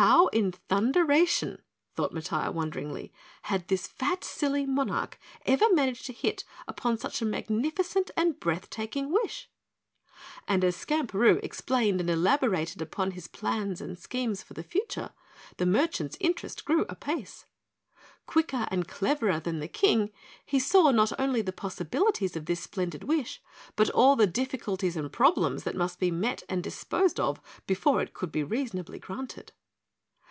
How in thunderation, thought Matiah wonderingly, had this fat silly monarch ever managed to hit upon such a magnificent and breath taking wish, and as Skamperoo explained and elaborated upon his plans and schemes for the future, the merchant's interest grew apace. Quicker and cleverer than the King, he saw not only the possibilities of this splendid wish, but all the difficulties and problems that must be met and disposed of before it could be reasonably granted.